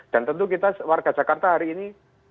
dan tentu kita warga jakarta hari ini